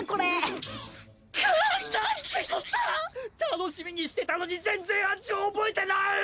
楽しみにしてたのに全然味を覚えてない！